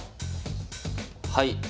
はい。